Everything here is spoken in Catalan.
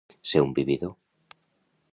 Ser un vividor.